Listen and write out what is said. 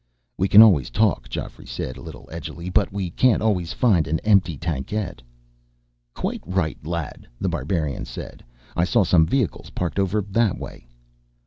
"We can always talk," Geoffrey said a little edgily. "But we can't always find an empty tankette." "Quite right, lad," The Barbarian said. "I saw some vehicles parked over that way."